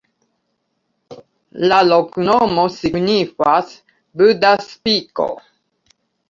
La loknomo signifas: Buda-spiko.